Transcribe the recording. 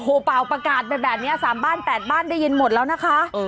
โห้ป่าวประกาศแบนแบนนี้๓บ้าน๘บ้านได้ยินหมดแล้วนะคะ